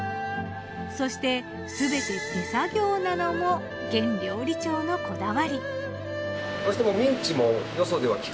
そして全て手作業なのも阮料理長のこだわり。